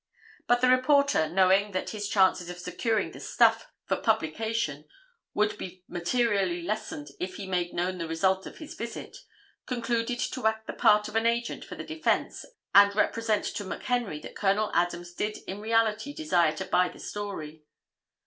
But the reporter, knowing that his chances of securing the "stuff" for publication would be very materially lessened if he made known the result of his visit, concluded to act the part of an agent for the defense and represent to McHenry that Col. Adams did in reality desire to buy the story.